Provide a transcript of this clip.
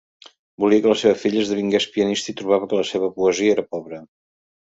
Volia que la seva filla esdevingués pianista i trobava que la seva poesia era pobra.